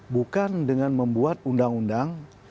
bukan dengan membuat undang undang